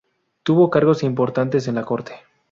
Tuvo cargos importantes en la corte.